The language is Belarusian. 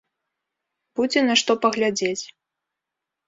Будзе, на што паглядзець!